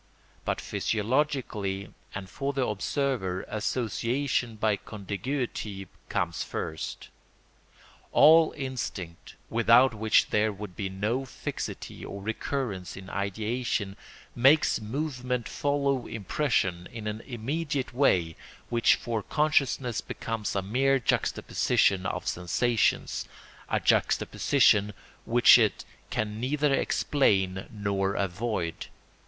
But physiologically and for the observer association by contiguity comes first. All instinct—without which there would be no fixity or recurrence in ideation—makes movement follow impression in an immediate way which for consciousness becomes a mere juxtaposition of sensations, a juxtaposition which it can neither explain nor avoid.